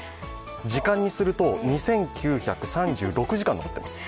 時間にすると２９３６時間残ってます。